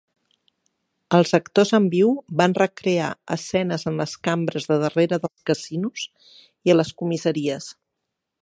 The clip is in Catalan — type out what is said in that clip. Els actors en viu van recrear escenes en les cambres de darrere dels casinos i a les comissaries.